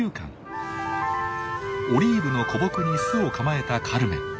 オリーブの古木に巣を構えたカルメン。